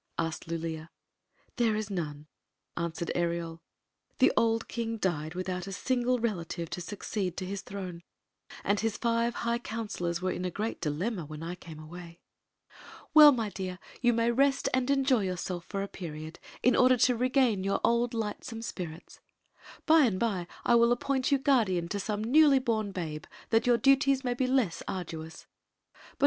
asked Lulea. "There is none," answered Ereol. "The old king died without a single relative to succeed to his throne, Story of the Magic Cloak 13 and his five high counselors were in a great dilemma when I came away." " Well, my dear, you may rest and enjoy yourself for a period, in order to r^;ain your old lightscnne spirits. By and by I will appoint you guardian to some newly born babe, that your duties may be less arduous. But I